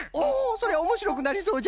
それおもしろくなりそうじゃ！